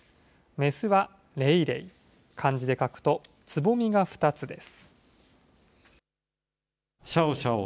雌はレイレイ、漢字で書くと、蕾が２つです。